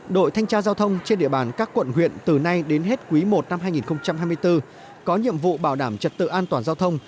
đội thanh tra giao thông trên địa bàn các quận huyện từ nay đến hết quý i năm hai nghìn hai mươi bốn có nhiệm vụ bảo đảm trật tự an toàn giao thông